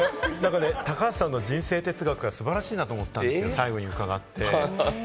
高橋さんの人生哲学が素晴らしいなと思ったんですよ、最後に伺って。